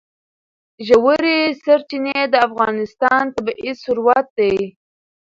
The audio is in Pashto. ژورې سرچینې د افغانستان طبعي ثروت دی.